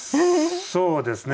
そうですね